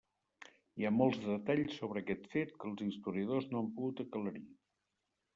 Hi ha molts detalls sobre aquest fet que els historiadors no han pogut aclarir.